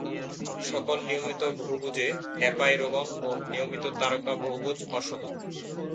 সকল নিয়মিত বহুভুজ, এপাইরোগন এবং নিয়মিত তারকা বহুভুজ "অসম"।